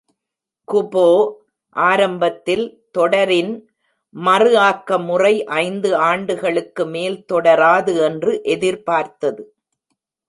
குபோ ஆரம்பத்தில் தொடரின்’ மறு ஆக்க முறை ஐந்து ஆண்டுகளுக்கு மேல் தொடராது என்று எதிர்பார்த்தது.